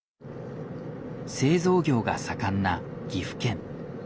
製造業が盛んな岐阜県。